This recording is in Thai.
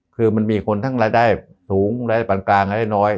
คือมันมีคนทั้งรายได้สูงรายปันกลางรายได้น้อย